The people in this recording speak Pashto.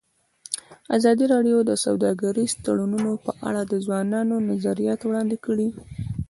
ازادي راډیو د سوداګریز تړونونه په اړه د ځوانانو نظریات وړاندې کړي.